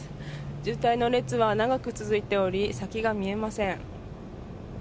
渋滞の列は長く続いており、先が見えません。